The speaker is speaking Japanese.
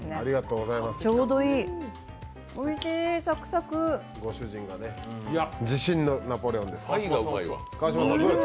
ご主人が自身のナポレオンです。